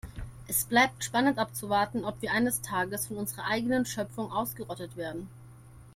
Es bleibt spannend abzuwarten, ob wir eines Tages von unserer eigenen Schöpfung ausgerottet werden.